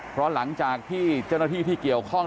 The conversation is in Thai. เพราะหลังจากที่เจ้าหน้าที่ที่เกี่ยวข้อง